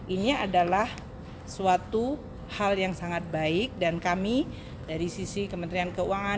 ini adalah suatu hal yang sangat baik dan kami dari sisi kementerian keuangan